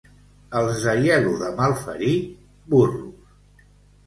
Els d'Aielo de Malferit, burros.